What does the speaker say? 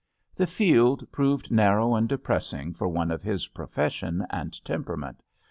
The field proved narrow and depressing for one of his profession and temperament.